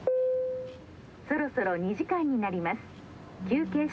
そろそろ２時間になります。